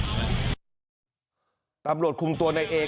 เขาเล่าบอกว่าเขากับเพื่อนเนี่ยที่เรียนปลูกแดงใช่ไหม